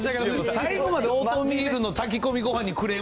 最後までオートミールの炊き込みご飯にクレーム。